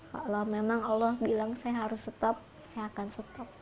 kalau memang allah bilang saya harus stop saya akan stop